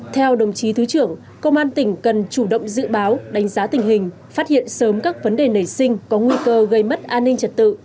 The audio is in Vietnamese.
theo đồng chí thứ trưởng công an tỉnh cần chủ động dự báo đánh giá tình hình phát hiện sớm các vấn đề nảy sinh có nguy cơ gây mất an ninh trật tự